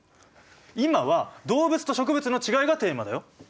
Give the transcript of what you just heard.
今は動物と植物のちがいがテーマだよ。